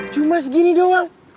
cuma segini doang